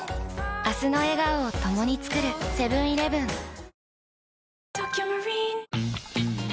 明日の笑顔を共に創るセブン−イレブンふふん